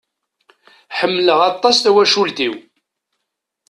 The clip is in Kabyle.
Ḥemmeleq aṭas tawacult-iw.